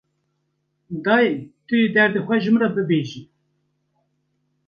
Dayê, tu yê derdê xwe ji min re bibêjî